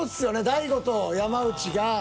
大悟と山内が。